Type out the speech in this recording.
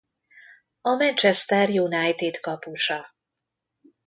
A Manchester United kapusa.